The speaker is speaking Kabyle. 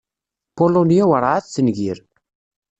Pulunya werɛad tengir.